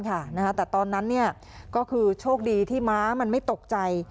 แต่ตอนนั้นก็คือโชคดีที่ม้ามันไม่ตกใจ